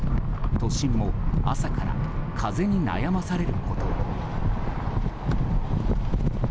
都心も朝から風に悩まされることに。